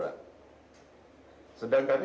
ada alasan lain lagi ya tujuh puluh